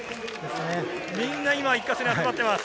みんな１か所に集まっています。